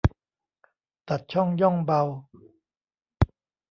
ตัดช่องย่องเบา